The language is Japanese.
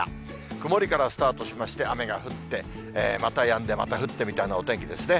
曇りからスタートしまして、雨が降って、またやんで、また降ってみたいなお天気ですね。